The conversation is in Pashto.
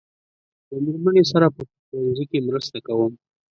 له مېرمنې سره په پخلنځي کې مرسته کوم.